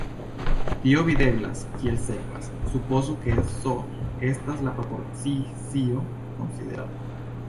Tio videblas kiel sekvas: supozu ke "S" estas la propozicio konsiderata.